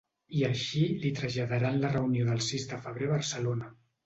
I així li traslladarà en la reunió del sis de febrer a Barcelona.